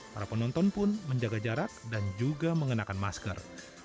para penonton pun menjaga jarak dan juga mengenakan masker